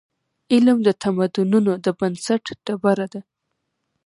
علم د تمدنونو د بنسټ ډبره ده.